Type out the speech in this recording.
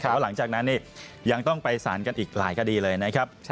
แต่ว่าหลังจากนั้นยังต้องไปสารกันอีกหลายคดีเลยนะครับ